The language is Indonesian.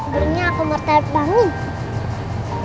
durungnya aku mau terbangin